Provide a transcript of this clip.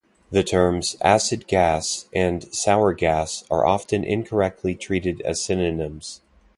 The terms "acid gas" and "sour gas" are often incorrectly treated as synonyms.